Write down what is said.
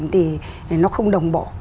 thì nó không đồng bộ